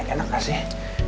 enak gak sih